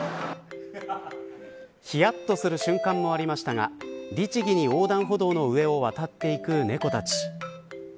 ひやっととする瞬間もありましたが律儀に横断歩道の上を渡っていく猫たち。